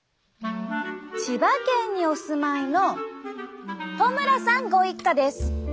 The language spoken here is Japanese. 千葉県にお住まいの戸村さんご一家です。